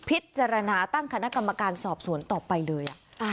พิจารณาตั้งคณะกรรมการสอบสวนต่อไปเลย